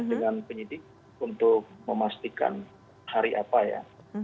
dengan penyidik untuk memastikan hari apa ya